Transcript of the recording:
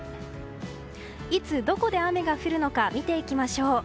いつ、どこで雨が降るのか見ていきましょう。